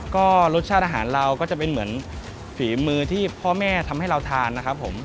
ก็รสชาติอาหารเราก็จะเป็นเหมือนฝีมือที่พ่อแม่ทำให้เราทานนะครับผม